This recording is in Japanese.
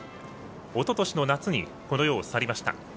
おととしの夏にこの世を去りました。